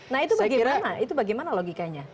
nah itu bagaimana itu bagaimana logikanya